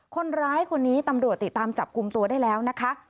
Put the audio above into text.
คนร้ายคนนี้ตำรวจติดตามจับกลุ่มตัวได้แล้วนะคะ